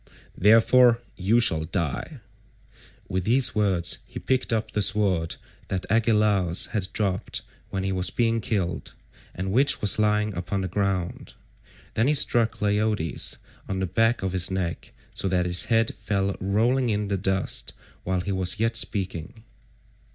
Therefore you shall die." With these words he picked up the sword that Agelaus had dropped when he was being killed, and which was lying upon the ground. Then he struck Leiodes on the back of his neck, so that his head fell rolling in the dust while he was yet speaking.